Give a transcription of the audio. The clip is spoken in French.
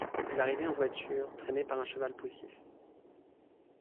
Il arrivait en voiture, traîné par un cheval poussif.